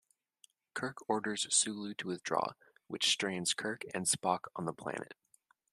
Kirk orders Sulu to withdraw, which strands Kirk and Spock on the planet.